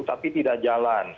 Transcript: tapi tidak jalan